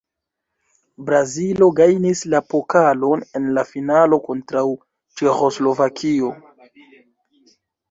Brazilo gajnis la pokalon en la finalo kontraŭ Ĉeĥoslovakio.